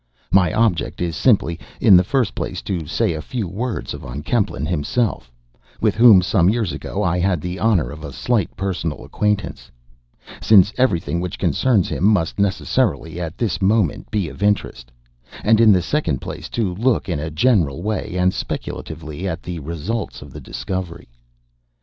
My object is simply, in the first place, to say a few words of Von Kempelen himself (with whom, some years ago, I had the honor of a slight personal acquaintance), since every thing which concerns him must necessarily, at this moment, be of interest; and, in the second place, to look in a general way, and speculatively, at the results of the discovery.